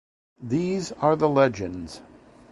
These are The Legends.